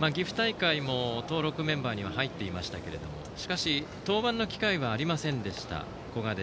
岐阜大会も登録メンバーに入っていましたけど登板機会はありませんでした古賀。